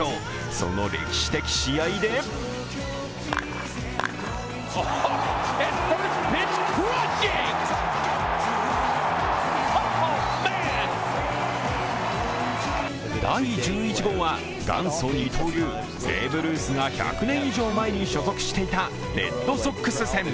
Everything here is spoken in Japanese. その歴史的試合で第１１号は元祖・二刀流、ベーブ・ルースが１００年以上前に所属していたレッドソックス戦。